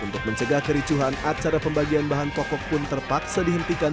untuk mencegah kericuhan acara pembagian bahan pokok pun terpaksa dihentikan